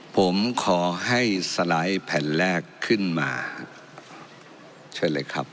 ผมขอให้สไลด์แผ่นแรกขึ้นมาเชิญเลยครับ